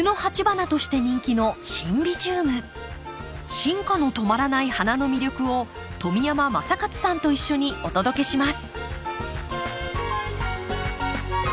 進化の止まらない花の魅力を富山昌克さんと一緒にお届けします。